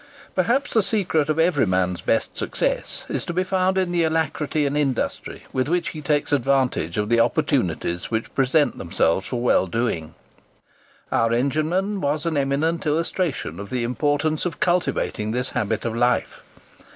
Perhaps the secret of every man's best success is to be found in the alacrity and industry with which he takes advantage of the opportunities which present themselves for well doing. Our engineman was an eminent illustration of the importance of cultivating this habit of life.